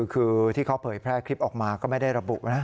คือที่เขาเผยแพร่คลิปออกมาก็ไม่ได้ระบุนะ